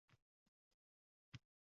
Biz haqimizda ham she’r yozing endi…